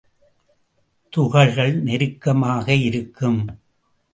துகள்கள் நெருக்கமாக இருக்கும்.